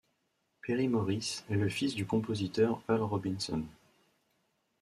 Perry Morris est le fils du compositeur Earl Robinson.